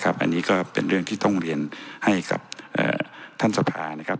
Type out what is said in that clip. อันนี้ก็เป็นเรื่องที่ต้องเรียนให้กับท่านสภานะครับ